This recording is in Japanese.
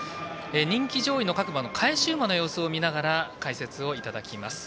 人気上位の各馬の返し馬の様子を見ながら解説をいただきます。